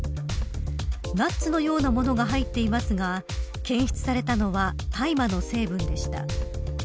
ナッツのようなものが入っていますが検出されたのは大麻の成分でした。